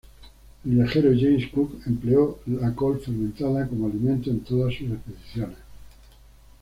El viajero James Cook empleó la col fermentada como alimento en todas sus expediciones.